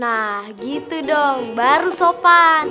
nah gitu dong baru sopan